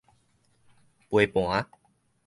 飛盤